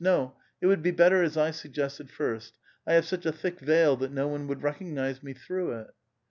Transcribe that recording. No I it would he better as I suggested first. I have such a thick veil that no one would recognize me through it."